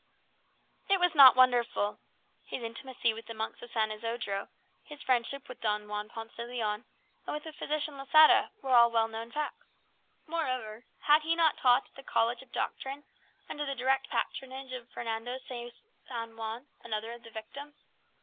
It was not wonderful. His intimacy with the monks of San Isodro, his friendship with Don Juan Ponce de Leon, and with the physician Losada, were all well known facts. Moreover, had he not taught at the College of Doctrine, under the direct patronage of Fernando de San Juan, another of the victims.